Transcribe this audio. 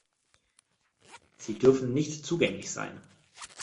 Sie dürfen nicht zugänglich sein.